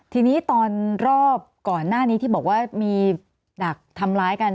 ทีนี้ตอนรอบก่อนหน้านี้ที่บอกว่ามีดักทำร้ายกัน